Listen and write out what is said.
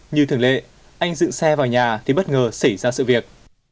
như thường lệ anh dựng xe vào nhà thì bất ngờ xảy ra sự việc